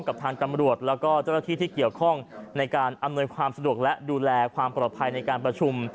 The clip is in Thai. กับทางตำรวจแล้วก็เจ้าหน้าที่ที่เกี่ยวข้องในการอำนวยความสะดวกและดูแลความปลอดภัยในการประชุม